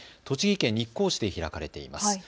栃木県日光市で開かれています。